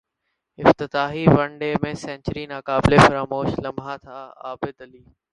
افتتاحی one day میں century ناقابل فراموش لمحہ تھاعابدعلی